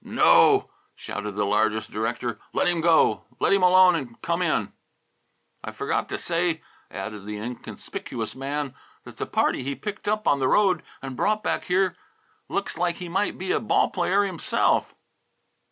"No!" shouted the largest director. "Let him go to let him alone and come in." "I forgot to say," added the inconspicuous man, "that the party he picked up on the road and brought back here looks like he might be a ball player himself."